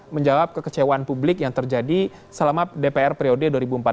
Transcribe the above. menjawab kekecewaan publik yang terjadi selama dpr periode dua ribu empat belas dua ribu